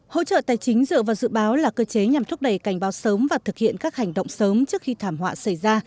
hỗ trợ tài chính dựa vào dự báo là cơ chế nhằm thúc đẩy cảnh báo sớm và thực hiện các hành động sớm trước khi thảm họa xảy ra